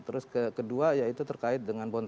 terus kedua ya itu terkait dengan berobat